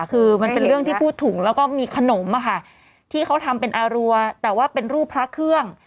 คือมันเป็นเรื่องที่พูดถุงแล้วก็มีขนมอะค่ะที่เขาทำเป็นอารัวแต่ว่าเป็นรูปพระเครื่อง